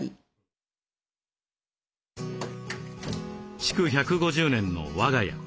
築１５０年の「和がや」